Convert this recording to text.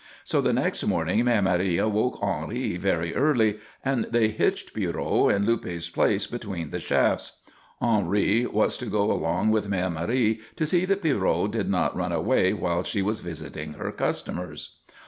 So the next morning Mère Marie awoke Henri very early and they hitched Pierrot in Luppe's place between the shafts. Henri was to go along with Mère Marie to see that Pierrot did not run away while she was visiting her customers.